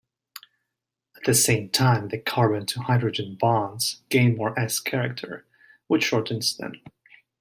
At the same time, the carbon-to-hydrogen bonds gain more s-character, which shortens them.